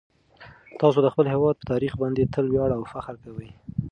تاسو د خپل هیواد په تاریخ باندې تل ویاړ او فخر کوئ.